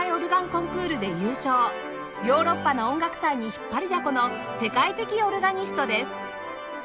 ヨーロッパの音楽祭に引っ張りだこの世界的オルガニストです